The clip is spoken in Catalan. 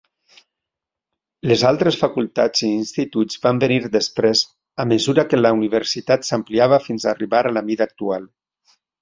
Les altres facultats i instituts van venir després, a mesura que la universitat s'ampliava fins arribar a la mida actual.